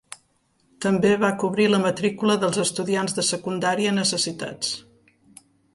També va cobrir la matrícula dels estudiants de secundària necessitats.